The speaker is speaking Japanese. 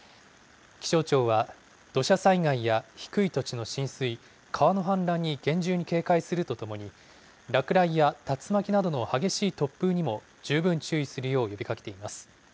気象庁は、土砂災害や低い土地の浸水、川の氾濫に厳重に警戒するとともに、落雷や竜巻などの激しい突風にも十分注意するよう呼びかけています。